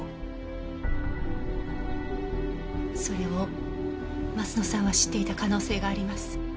それを鱒乃さんは知っていた可能性があります。